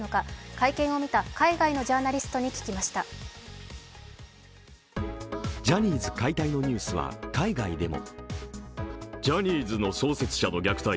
会見を見た海外のジャーナリストに聞きましたジャニーズ解体のニュースは海外でも。